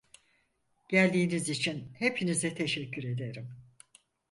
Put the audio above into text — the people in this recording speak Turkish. Geldiğiniz için hepinize teşekkür ederim.